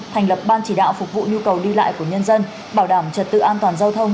thành lập ban chỉ đạo phục vụ nhu cầu đi lại của nhân dân bảo đảm trật tự an toàn giao thông